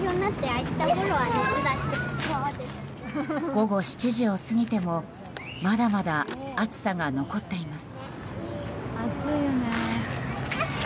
午後７時を過ぎてもまだまだ暑さが残っています。